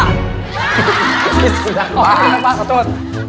พี่สุดท้ายมากขอโทษ